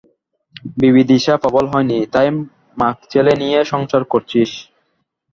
বিবিদিষা প্রবল হয়নি, তাই মাগ-ছেলে নিয়ে সংসার করছিস।